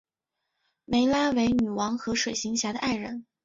湄拉为女王和水行侠的爱人。